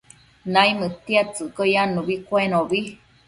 naimëdtiadtsëcquio yannubi cuenobi